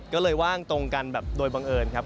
ก็เลยว่างตรงกันแบบโดยบังเอิญครับ